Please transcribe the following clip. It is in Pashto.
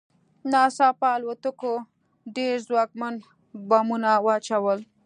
ناڅاپه الوتکو ډېر ځواکمن بمونه واچول